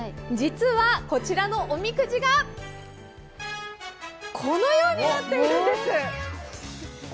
実はこちらのおみくじが、このようになっているんです。